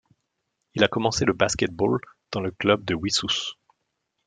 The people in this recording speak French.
Il a commencé le basket-ball dans le club de Wissous.